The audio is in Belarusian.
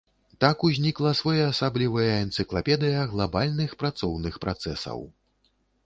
Так узнікла своеасаблівая энцыклапедыя глабальных працоўных працэсаў.